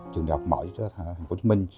trường đọc mỏi rất hà quân minh